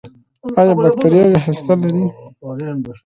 ایا بکتریاوې هسته لري؟